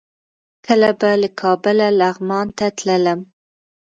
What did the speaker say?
کله به له کابله لغمان ته تللم.